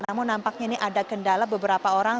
namun nampaknya ini ada kendala beberapa orang